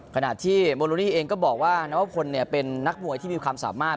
ขณะที่โมโลลี่เองก็บอกว่านวพลเป็นนักมวยที่มีความสามารถ